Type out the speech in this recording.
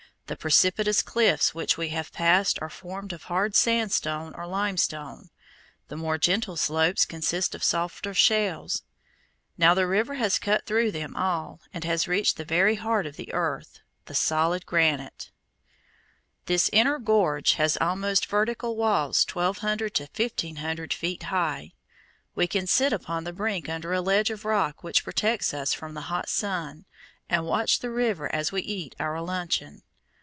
The precipitous cliffs which we have passed are formed of hard sandstone or limestone. The more gentle slopes consist of softer shales. Now the river has cut through them all and has reached the very heart of the earth, the solid granite. [Illustration: FIG. 6. THE INNER GORGE OF THE GRAND CAÑON OF THE COLORADO] This inner gorge has almost vertical walls twelve hundred to fifteen hundred feet high. We can sit upon the brink under a ledge of rock which protects us from the hot sun, and watch the river as we eat our luncheon.